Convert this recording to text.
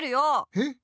えっ。